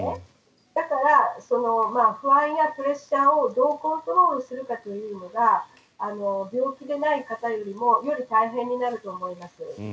だから、不安やプレッシャーをどうコントロールするかというのが病気でない方よりもより大変になるかと思います。